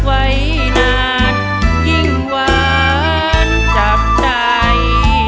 ไว้นานยิ่งหวานจับใจ